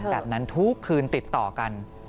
เธอฝันแบบนั้นทุกคืนติดต่อกัน